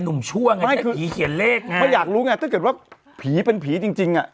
ช่วงไงไม่คือผีเขียนเลขไงไม่อยากรู้ไงถ้าเกิดว่าผีเป็นผีจริงจริงอ่ะ